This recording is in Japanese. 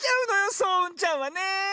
そううんちゃんはねえ。